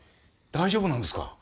大丈夫なんですか？